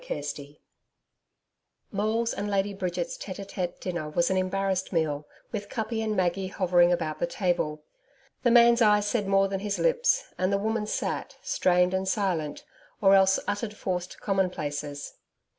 CHAPTER 4 Maule's and Lady Bridget's TETE TETE dinner was an embarrassed meal, with Kuppi and Maggie hovering about the table. The man's eyes said more than his lips, and the woman sat, strained and silent, or else uttered forced commonplaces.